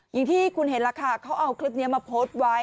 อย่างที่คุณเห็นล่ะค่ะเขาเอาคลิปนี้มาโพสต์ไว้